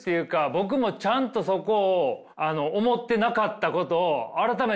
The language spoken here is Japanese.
僕もちゃんとそこを思ってなかったことを改めてああ